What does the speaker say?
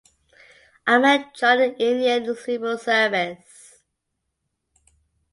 Ahmed joined the Indian Civil Service.